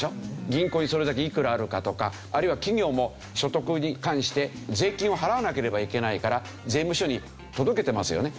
銀行にそれだけいくらあるかとかあるいは企業も所得に関して税金を払わなければいけないから税務署に届けてますよね。